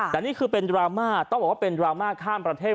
แต่นี่คือเป็นดราม่าต้องบอกว่าเป็นดราม่าข้ามประเทศ